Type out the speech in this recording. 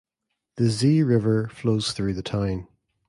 The Zi River flows through the town.